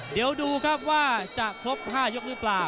เดี๋ยวดูครับว่าจะครบ๕ยกหรือเปล่า